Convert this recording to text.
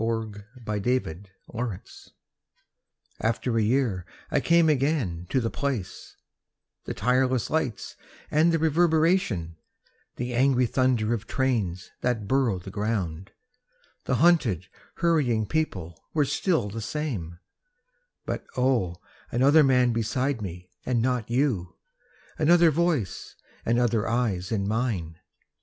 IN A SUBWAY STATION AFTER a year I came again to the place; The tireless lights and the reverberation, The angry thunder of trains that burrow the ground, The hunted, hurrying people were still the same But oh, another man beside me and not you! Another voice and other eyes in mine!